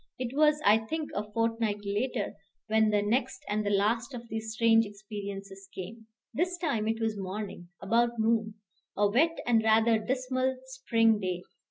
It was, I think, a fortnight later when the next and last of these strange experiences came. This time it was morning, about noon, a wet and rather dismal spring day.